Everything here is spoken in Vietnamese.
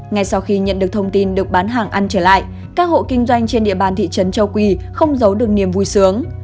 ngay sau khi nhận được thông tin được bán hàng ăn trở lại các hộ kinh doanh trên địa bàn thị trấn châu quỳ không giấu được niềm vui sướng